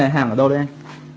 cái này hàng là đâu đây anh